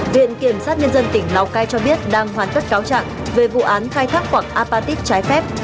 viện kiểm sát nhân dân tỉnh lào cai cho biết đang hoàn tất cáo trạng về vụ án khai thác quạng apatit trái phép